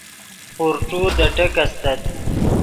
پورݯو دے ٹیک استت